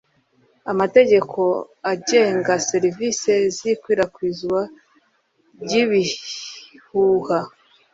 amategeko agenga serivisi z ikwirakwizwa ryibihuha